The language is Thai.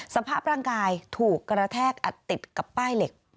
สภาพร่างกายถูกกระแทกอัดติดกับป้ายเหล็ก